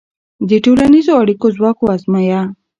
د ټولنیزو اړیکو ځواک وازمویه.